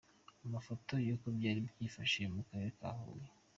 Amafoto y’uko byari byifashe mu karere ka Huye.